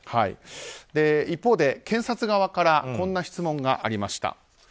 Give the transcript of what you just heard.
一方で検察側からこんな質問がありました。